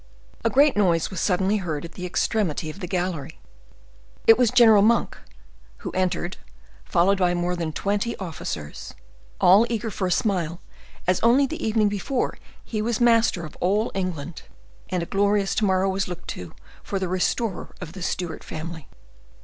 A great noise was suddenly heard at the extremity of the gallery,—it was General Monk, who entered, followed by more than twenty officers, all eager for a smile, as only the evening before he was master of all England, and a glorious to morrow was looked to, for the restorer of the Stuart family.